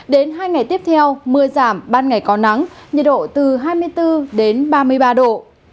đến hai ngày tiếp theo mưa giảm ban ngày có nắng nhiệt độ từ hai mươi bốn đến ba mươi ba độ